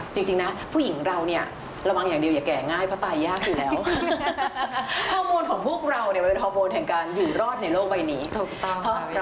จริงนะผู้หญิงเราเนี่ย